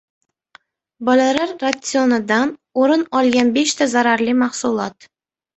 Bolalar ratsionidan o‘rin olgan beshta zararli mahsulot